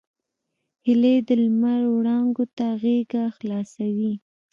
هیلۍ د لمر وړانګو ته غېږه خلاصوي